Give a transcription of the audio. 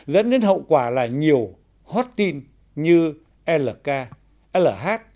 dẫn đến hậu quả là nhiều hot tin như lk lh